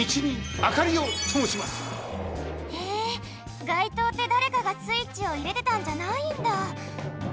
へえがいとうってだれかがスイッチをいれてたんじゃないんだ！